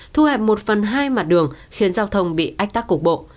thu hẹp một phần hai mặt đường khiến giao thông bị ách tắc cục bộ